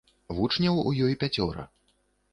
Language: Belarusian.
Вучняў у ёй пяцёра.